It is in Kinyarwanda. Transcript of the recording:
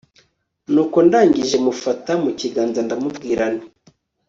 nuko ndangije mufata mu kiganza ndamubwira nti